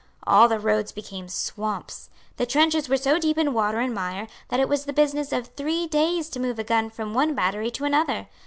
All the roads became swamps. The trenches were so deep in water and mire that it was the business of three days to move a gun from one battery to another.